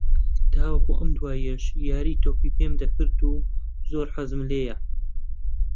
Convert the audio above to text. تاوەکو ئەم دواییەش یاری تۆپی پێم دەکرد و زۆرم حەز لێییە